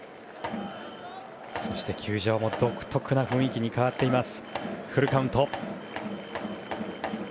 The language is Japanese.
そして球場も独特な雰囲気に変わっています。